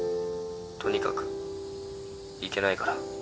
とにかく行けないから。